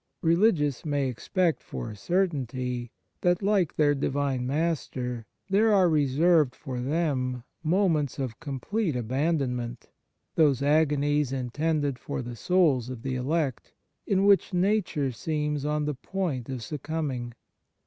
Religious may expect for a certainty that, like their Divine Master, there are reserved for them moments of complete abandonment, those agonies in tended for the souls of the elect, in which Nature seems on the point of succumbing.